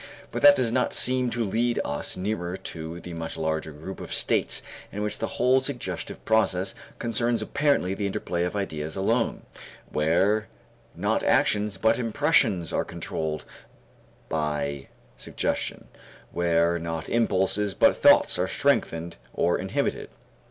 But that does not seem to lead us nearer to the much larger group of states in which the whole suggestive process concerns apparently the interplay of ideas alone, where not actions but impressions are controlled by suggestion, where not impulses but thoughts are strengthened or inhibited.